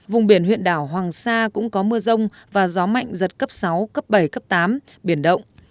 vùng biển huyện đảo hoàng sa cũng có mưa rông và gió mạnh giật cấp sáu cấp bảy cấp tám biển động